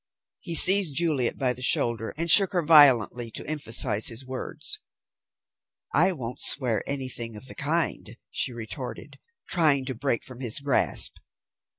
He seized Juliet by the shoulder and shook her violently to emphasize his words. "I won't swear anything of the kind," she retorted, trying to break from his grasp.